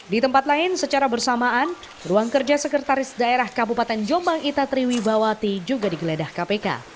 di tempat lain secara bersamaan ruang kerja sekretaris daerah kabupaten jombang ita triwibawati juga digeledah kpk